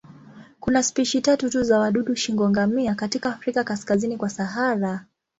Kuna spishi tatu tu za wadudu shingo-ngamia katika Afrika kaskazini kwa Sahara.